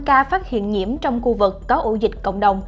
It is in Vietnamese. ba ca phát hiện nhiễm trong khu vực có ổ dịch cộng đồng